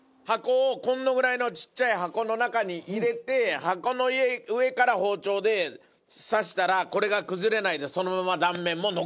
箱をこのぐらいのちっちゃい箱の中に入れて箱の上から包丁で刺したらこれが崩れないで。